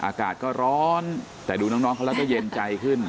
อากาศก็ร้อนแต่ดูน้องก็ได้เย็นใจขึ้น